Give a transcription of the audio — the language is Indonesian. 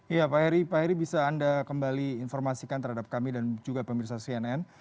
iya pak heri pak heri bisa anda kembali informasikan terhadap kami dan juga pemirsa cnn